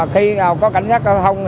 khi có cảnh giác giao thông